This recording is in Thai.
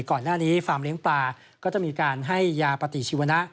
ก่อนหน้านี้ฟาร์มเลี้ยงปลาก็จะมีการให้ยาปฏิชีวนะ